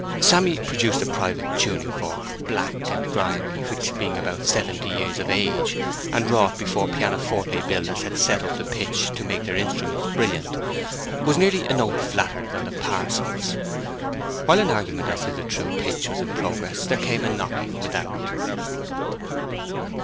Sammy produced a private tuning fork, black and grimy, which, being about seventy years of age, and wrought before pianoforte builders had sent up the pitch to make their instruments brilliant, was nearly a note flatter than the parson's. While an argument as to the true pitch was in progress, there came a knocking without.